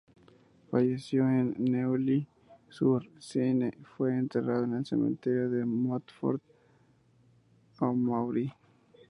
Falleció en Neuilly-sur-Seine y fue enterrado en el Cementerio de Montfort-l'Amaury.